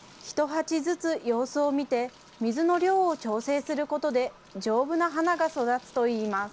１鉢ずつ様子を見て、水の量を調整することで、丈夫な花が育つといいます。